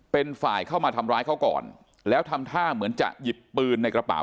เป็นฝ่ายเข้ามาทำร้ายเขาก่อนแล้วทำท่าเหมือนจะหยิบปืนในกระเป๋า